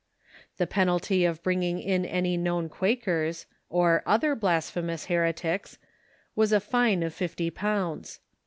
The penalty of bringing in any known Quakers, or "other blasphemous heretics," was a fine of fifty jiounds.